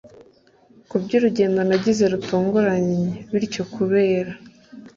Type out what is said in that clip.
Kubwurugendo nagize rutunguranye bityo kubera